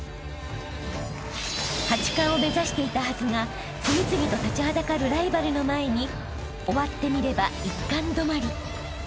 ［８冠を目指していたはずが次々と立ちはだかるライバルの前に終わってみれば１冠止まり］